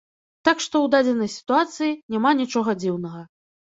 Так што, у дадзенай сітуацыі няма нічога дзіўнага.